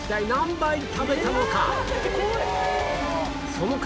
その数